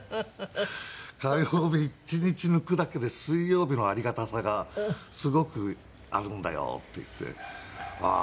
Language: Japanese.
「火曜日１日抜くだけで水曜日のありがたさがすごくあるんだよ」って言ってああ